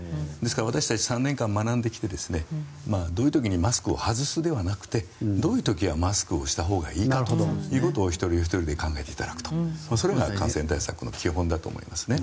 私たち、３年間学んできてどういう時にマスクを外すではなくてどういう時にマスクをしたほうがいいかということを一人ひとりで考えていただくとそれが感染対策の基本だと思いますね。